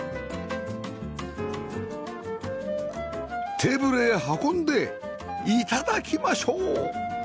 テーブルへ運んで頂きましょう！